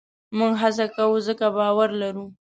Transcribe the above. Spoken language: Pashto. موږ هڅه کوو؛ ځکه باور لرو.